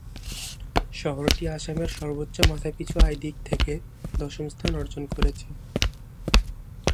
শহরটি আসামের সর্বোচ্চ মাথাপিছু আয় দিক থেকে দশম স্থান অর্জন করেছে।